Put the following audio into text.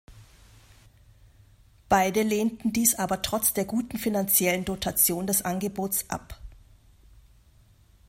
Beide lehnten dies aber trotz der guten finanziellen Dotation des Angebots ab.